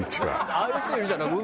ああいう人いるじゃん